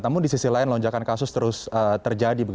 namun di sisi lain lonjakan kasus terus terjadi